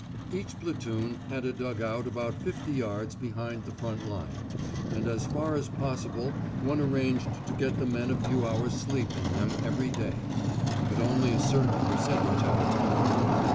Each platoon had a dug out about fifty yards behind the front line, and as far as possible one arranged to get the men a few hours' sleep in them every day; but only a certain percentage at a time.